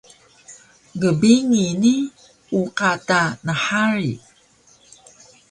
gbingi ni uqa ta nhari